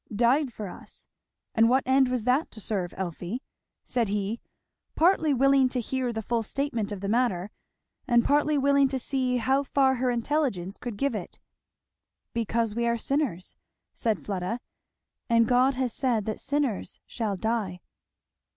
"Died for us! And what end was that to serve, Elfie?" said he, partly willing to hear the full statement of the matter, and partly willing to see how far her intelligence could give it. "Because we are sinners," said Fleda, "and God has said that sinners shall die."